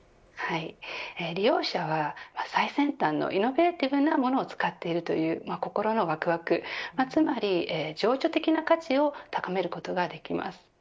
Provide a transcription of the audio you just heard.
利用者は最先端のイノベーティブなものを使っているという心のわくわくつまり情緒的な価値を高めることができます。